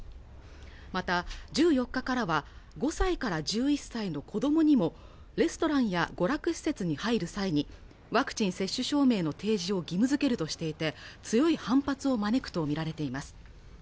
また１４日からは５歳から１１歳の子供にもレストランや娯楽施設に入る際にワクチン接種証明の提示を義務づけるとしていて強い反発を招くと見られています